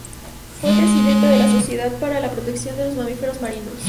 Fue Presidenta de la "Sociedad para la Protección de los Mamíferos marinos".